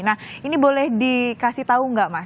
nah ini boleh dikasih tahu nggak mas